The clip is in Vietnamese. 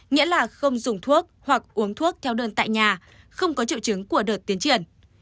nghĩa là không dùng thuốc hoặc uống thuốc theo đơn tại nhà không có triệu chứng của đợt tiến triển